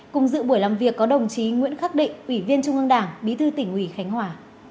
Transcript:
cùng dự buổi làm việc có đồng chí nguyễn khắc định ủy viên trung ương đảng bí thư tỉnh ủy khánh hòa